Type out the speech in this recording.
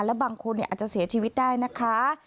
และบางคนอาจจะเสียชีวิตได้นะคะ